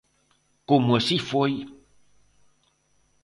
¡Como así foi!